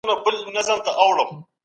کار د مسؤلیت احساس غواړي.